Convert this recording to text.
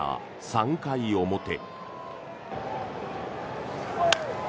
３回表。